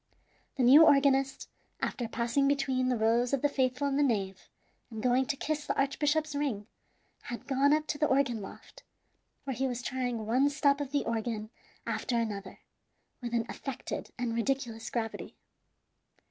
The new organist, after passing between the rows of the faithful in the nave, and going to kiss the archbishop's ring, had gone up to the organ loft, where he was trying one stop of the organ after another, with an affected and ridiculous gravity.